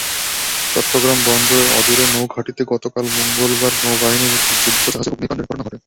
চট্টগ্রাম বন্দরের অদূরে নৌঘাঁটিতে গতকাল মঙ্গলবার নৌবাহিনীর একটি যুদ্ধজাহাজে অগ্নিকাণ্ডের ঘটনা ঘটে।